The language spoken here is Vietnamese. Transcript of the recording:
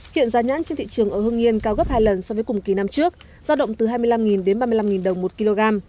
hiện giá nhãn trên thị trường ở hương yên cao gấp hai lần so với cùng kỳ năm trước giao động từ hai mươi năm đến ba mươi năm đồng một kg